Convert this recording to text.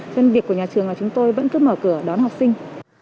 nên việc của nhà trường là chúng tôi vẫn cứ mở cửa đón học sinh